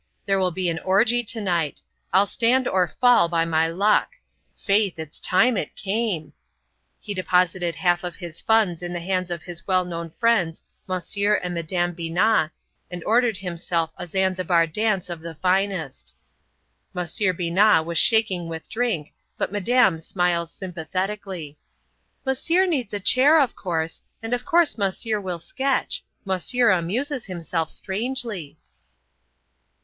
"There will be an orgy to night. I'll stand or fall by my luck. Faith, it's time it came!" He deposited half of his funds in the hands of his well known friends Monsieur and Madame Binat, and ordered himself a Zanzibar dance of the finest. Monsieur Binat was shaking with drink, but Madame smiles sympathetically—"Monsieur needs a chair, of course, and of course Monsieur will sketch; Monsieur amuses himself strangely."